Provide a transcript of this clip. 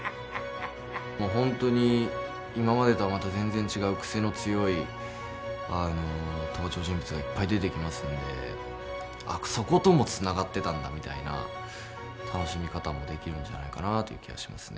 もう本当に今までとはまた全然違う癖の強い登場人物がいっぱい出てきますのであっそこともつながってたんだみたいな楽しみ方もできるんじゃないかなという気はしますね。